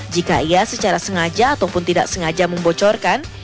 jika ia secara sengaja ataupun tidak sengaja membocorkan